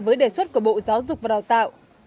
với đề xuất của bộ giáo dục và đào tạo